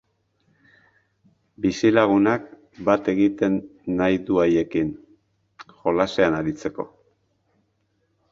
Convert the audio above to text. Bizilagunak bat egiten nahi du haiekin, jolasean aritzeko.